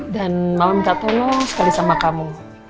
dan mau minta tolong sekali sama kamu